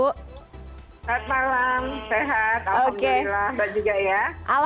selamat malam sehat alhamdulillah